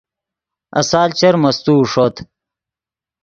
آسال چر مستوؤ ݰوت